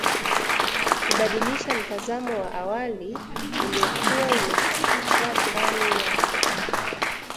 kubadilisha mtazamo wa awali uliokuwa umekita ndani yako